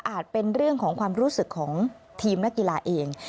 เป็นเรื่องของความรู้สึกของทีมนักกีฬาเอง